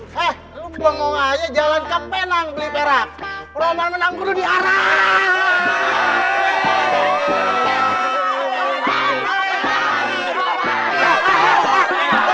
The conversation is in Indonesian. hei lu belum mau aja jalan ke penang beli perak roman menang guru di arah